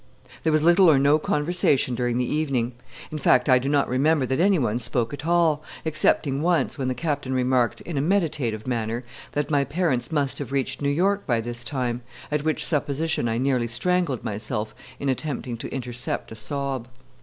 There was little or no conversation during the evening. In fact, I do not remember that anyone spoke at all, excepting once, when the Captain remarked, in a meditative manner, that my parents "must have reached New York by this time"; at which supposition I nearly strangled myself in attempting to intercept a sob.